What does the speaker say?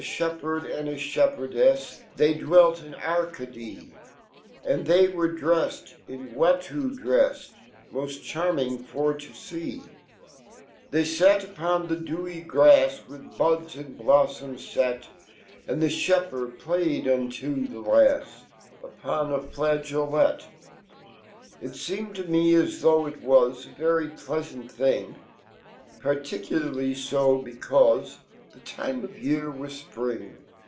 fhepherd and a fhepherdefj, They dwelt in Arcadee, And fhey were dreffed in Watteau drefs, S\(i charming fop to fee . They 5 at upon the <3ewy graft, \Vifh bud* and blffm5 fet. And he fhepherd playeduniofhelafs, Vpona flageolet It seemed to me as though ft was A very pleasant fhing$ Particularly fo becaufe The time of year was Spring.